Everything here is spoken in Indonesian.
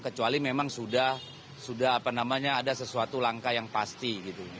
kecuali memang sudah sudah apa namanya ada sesuatu langkah yang pasti gitu